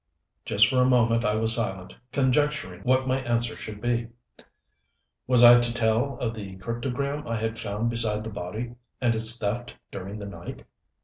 Just for a moment I was silent, conjecturing what my answer should be. Was I to tell of the cryptogram I had found beside the body, and its theft during the night?